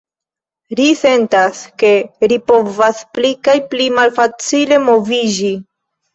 Ri sentas, ke ri povas pli kaj pli malfacile moviĝi.